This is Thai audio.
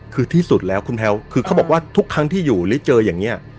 คือที่สุดแล้วคุณแพลวคือเขาบอกว่าทุกครั้งที่อยู่หรือเจออย่างนี้